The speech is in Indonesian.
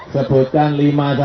sebutkan lima saja